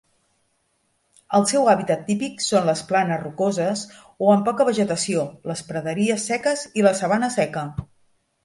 El seu habitat típic són les planes rocoses o amb poca vegetació, les praderies seques i la sabana seca.